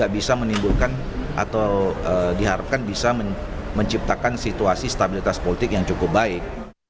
bisa menimbulkan atau diharapkan bisa menciptakan situasi stabilitas politik yang cukup baik